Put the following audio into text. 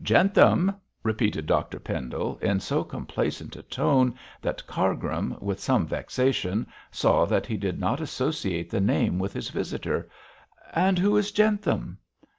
'Jentham!' repeated Dr Pendle, in so complacent a tone that Cargrim, with some vexation, saw that he did not associate the name with his visitor; 'and who is Jentham?'